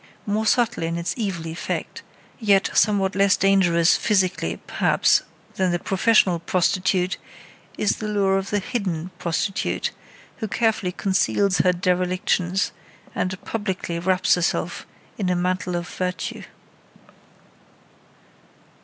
More subtle in its evil effect, yet somewhat less dangerous physically, perhaps, than the professional prostitute is the lure of the "hidden" prostitute, who carefully conceals her derelictions, and publicly wraps herself in a mantle of virtue.